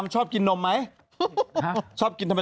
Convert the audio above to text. ชอบกินนมไหมชอบกินทำไม